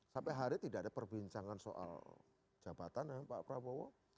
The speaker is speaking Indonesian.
sampai hari tidak ada perbincangan soal jabatan dengan pak prabowo